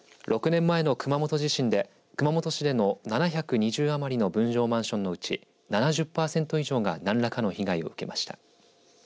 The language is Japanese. ６年前の熊本地震で熊本市での７２０余りの分譲マンションのうち７０パーセント以上が何らかの被害を受けました。